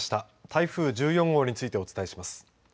台風１４号についてお伝えします。